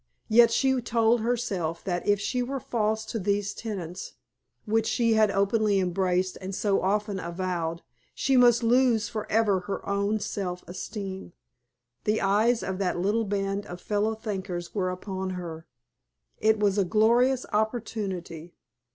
Yet she told herself that if she were false to these tenets, which she had openly embraced and so often avowed, she must lose forever her own self esteem. The eyes of that little band of fellow thinkers were upon her. It was a glorious opportunity.